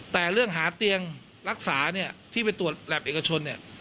แต่เรื่องหาเตียงรักษาเนี่ยที่ไปตรวจแหลบเอกชนเนี่ย